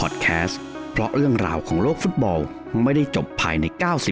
สวัสดีครับทุกคน